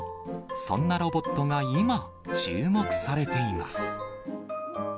そんなロボットが今、注目されています。